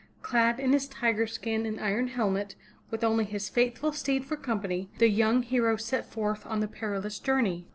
Clad in his tiger skin and iron helmet, with only his faithful steed for company, the young hero set forth on the perilous journey.